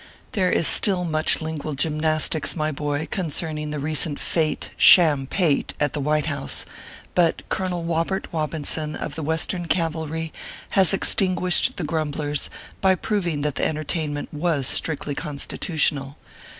THERE is still much lingual gymnastics, my boy, concerning the recent fete, sham pate at the White House ; but Colonel Wobert Wobinson, of the West ern Cavalry, has extinguished the grumblers by prov ing that the entertainment was strictly Constitutional.